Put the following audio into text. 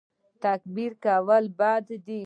تکبر کول بد دي